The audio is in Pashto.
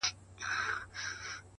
حوصله ستړې ورځې نرموي’